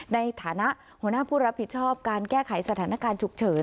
ในฐานะหัวหน้าผู้รับผิดชอบการแก้ไขสถานการณ์ฉุกเฉิน